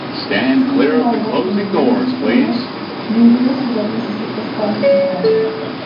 Sin embargo, en algunos sistemas ninguna ciudad necesita estar implicada.